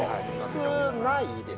普通ないです。